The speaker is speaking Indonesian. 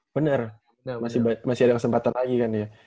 bener masih ada kesempatan lagi kan ya